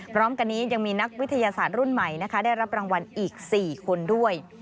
พร้อมกันนี้ยังมีนักวิทยาศาสตร์รุ่นใหม่นะคะได้รับรางวัลอีก๔คนด้วย